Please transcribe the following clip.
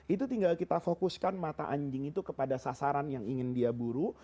itu tinggal kita fokuskan mata anjing itu kepada sasaran yang ingin dia buru